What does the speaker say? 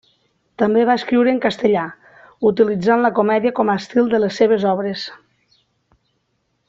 També va escriure en castellà, utilitzant la comèdia com a estil de les seves obres.